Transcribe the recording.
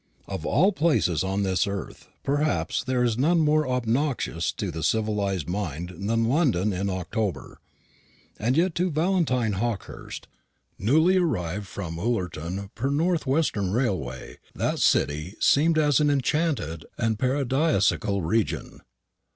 Of all places upon this earth, perhaps, there is none more obnoxious to the civilized mind than London in October; and yet to Valentine Hawkehurst, newly arrived from Ullerton per North Western Railway, that city seemed as an enchanted and paradisiacal region.